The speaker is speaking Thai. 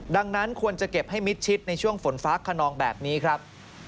ดังนั้นควรจะเก็บให้มิดชิดในช่วงฝนฟ้าขนองแบบนี้ครับ